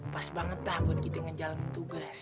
pas banget lah buat kita ngejalanin tugas